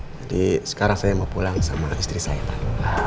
jadi sekarang saya mau pulang sama istri saya pak